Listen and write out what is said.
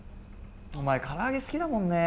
お前空揚げ好きだもんね。